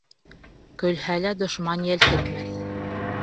Көлһә лә дошман йәлкетмәҫ.